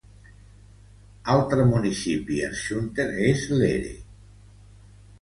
Altre municipi a Schunter és Lehre.